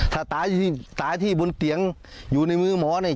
ถ้าตายที่บนเตียงอยู่ในมือหมอเนี่ย